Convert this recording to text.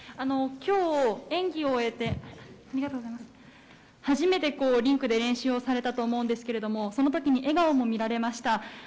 きょう演技を終えて初めてリンクで練習をされたと思うんですけれどもそのときに笑顔も見られました。